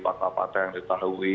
apa apa yang ditahui